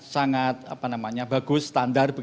sangat bagus standar